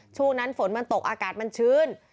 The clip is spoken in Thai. ช่วงนั้นฝนมันตกอากาศมันชื้น